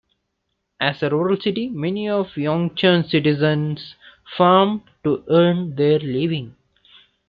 As a rural city, many of Yeongcheon's citizens farm to earn their living.